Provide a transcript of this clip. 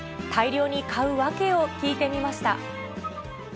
大量に買う訳を聞いてみました。